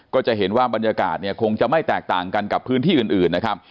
ก็จะเห็นว่าบรรยากาศเนี่ยคงจะไม่แตกต่างกันกับพื้นที่อื่นนะครับ